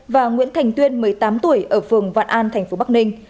và nguyễn thành tuyên một mươi tám tuổi ở phường vạn an tp bắc ninh